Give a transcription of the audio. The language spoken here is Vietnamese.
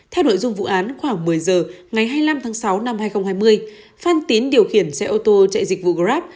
theo nội dung vụ án khoảng một mươi giờ ngày hai mươi năm tháng sáu năm hai nghìn hai mươi phan tín điều khiển xe ô tô chạy dịch vụ grab